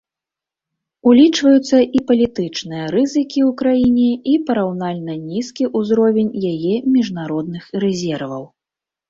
Улічваюцца і палітычныя рызыкі ў краіне і параўнальна нізкі ўзровень яе міжнародных рэзерваў.